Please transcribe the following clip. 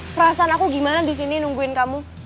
perasaan aku gimana disini nungguin kamu